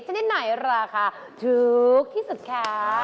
ชนิดไหนราคาถูกที่สุดคะ